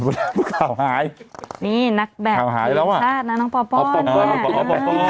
หนูข่าวหายนี่นักแบบผิดชาตินะน้องปอปอ